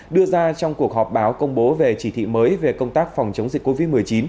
đưa ra trong cuộc họp báo công bố về chỉ thị mới về công tác phòng chống dịch covid một mươi chín